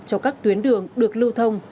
cho các tuyến đường được lưu thông